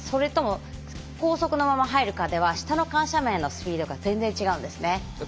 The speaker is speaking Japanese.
それとも高速のまま入るかでは下の緩斜面のスピードが全然違うんですね。